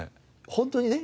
本当にね